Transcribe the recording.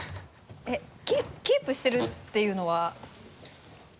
えっキープしてるっていうのは？